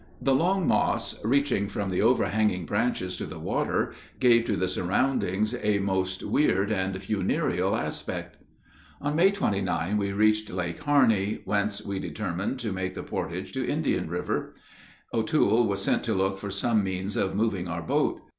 The long moss, reaching from the overhanging branches to the water, gave to the surroundings a most weird and funereal aspect. On May 29 we reached Lake Harney, whence we determined to make the portage to Indian River. O'Toole was sent to look for some means of moving our boat.